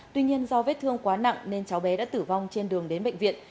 tuy nhiên do vết thương quá nặng nên cháu bé đã tử vong trên đường đến bệnh viện